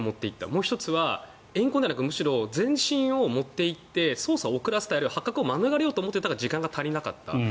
もう１つはえん恨ではなくむしろ全身を持って行って捜査を遅らせたい発覚を免れようと思ってたけど時間が足りなかった。